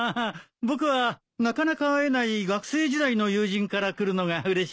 僕はなかなか会えない学生時代の友人から来るのがうれしいんだ。